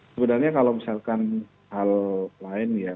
sebenarnya kalau misalkan hal lain ya